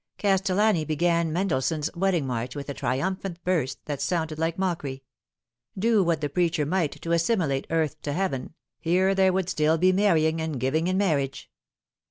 Castellani began Mendelssohn's " Wedding March " with a triumphant burst that sounded like mockery. Do what the preacher might to assimilate earth to heaven, here there would still be marrying and giving in marriage.